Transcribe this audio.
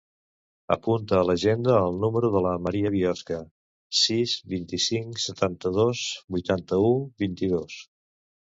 Apunta a l'agenda el número de la Maria Biosca: sis, vint-i-cinc, setanta-dos, vuitanta-u, vint-i-dos.